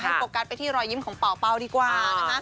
โฟกัสไปที่รอยยิ้มของเป่าดีกว่านะคะ